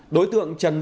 đối tượng trần thịnh